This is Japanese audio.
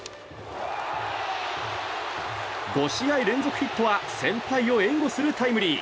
５試合連続ヒットは先輩を援護するタイムリー。